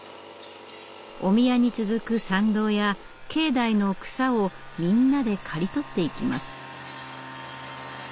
お宮に続く参道や境内の草をみんなで刈り取っていきます。